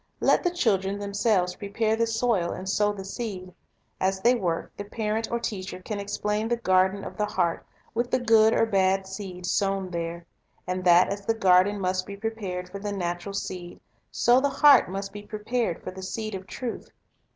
Let the children themselves prepare the soil and sow the seed. As they work, the parent or teacher can explain the garden of the heart, with the good or bad seed sown there, and that as the garden must be prepared for the natural Mature study & l l Made seed, so the heart must be prepared for the seed of Practical truth.